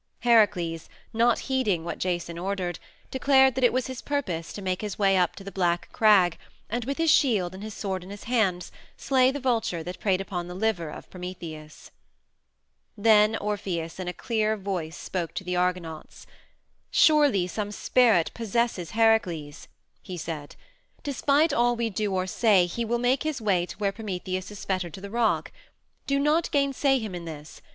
Heracles, not heeding what Jason ordered, declared that it was his purpose to make his way up to the black crag, and, with his shield and his sword in his hands, slay the vulture that preyed upon the liver of Prometheus. Then Orpheus in a clear voice spoke to the Argonauts. "Surely some spirit possesses Heracles," he said. "Despite all we do or say he will make his way to where Prometheus is fettered to the rock. Do not gainsay him in this!